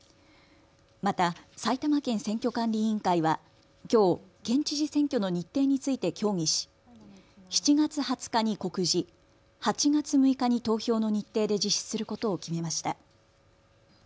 また埼玉県選挙管理委員会はきょう県知事選挙の日程について協議し７月２０日に告示、８月６日に投票の日程で実施することを決めました。